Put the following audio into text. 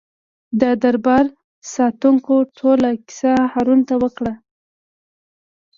د دربار ساتونکو ټوله کیسه هارون ته وکړه.